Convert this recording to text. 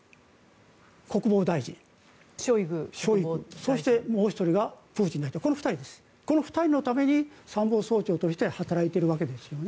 そしてもう１人がプーチン大統領この２人のために参謀総長として働いているわけですよね。